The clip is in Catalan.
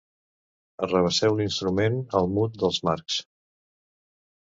Arrabasseu l'instrument al mut dels Marx.